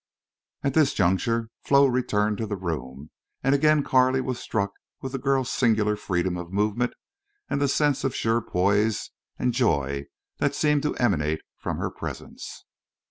At this juncture Flo returned to the room, and again Carley was struck with the girl's singular freedom of movement and the sense of sure poise and joy that seemed to emanate from her presence.